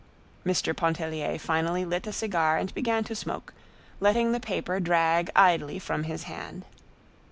Mr. Pontellier finally lit a cigar and began to smoke, letting the paper drag idly from his hand.